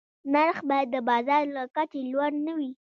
نرخ باید د بازار له کچې لوړ نه وي.